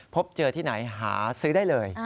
พบเจอที่ไหนหาซื้อได้เลย